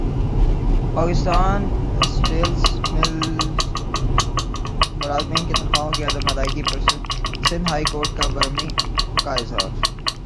Pakistan steels ملزملازمین کو تنخواہوں کی عدم ادائیگی پرسندھ ہائی کورٹ کا برہمی کااظہار